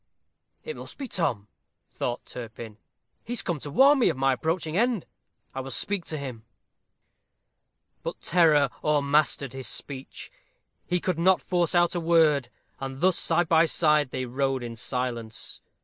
"It must be Tom," thought Turpin; "he is come to warn me of my approaching end. I will speak to him." But terror o'ermastered his speech. He could not force out a word, and thus side by side they rode in silence.